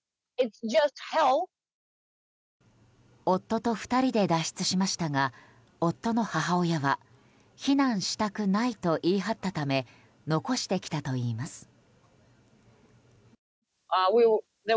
夫と２人で脱出しましたが夫の母親は避難したくないと言い張ったため残してきたといいます。